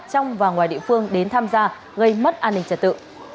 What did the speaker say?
trong và ngoài địa phương đến tham gia gây mất an ninh trật tự